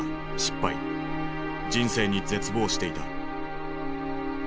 人生に絶望していた。